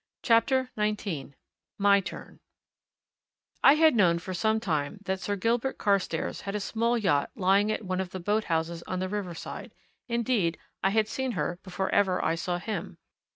CHAPTER XIX MY TURN I had known for some time that Sir Gilbert Carstairs had a small yacht lying at one of the boathouses on the riverside; indeed, I had seen her before ever I saw him.